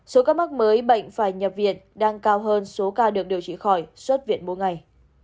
số ca mắc mới bệnh phải nhập viện đang cao hơn số ca được điều trị khỏi xuất viện mỗi ngày